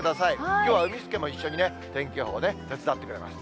きょうはうみスケも一緒に、天気予報手伝ってくれます。